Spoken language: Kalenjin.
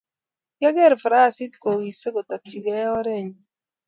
kiageer farasit kowisei kotokchikei oret nyu